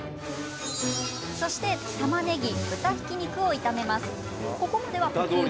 そして、たまねぎ豚ひき肉を炒めます。